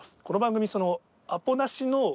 この番組。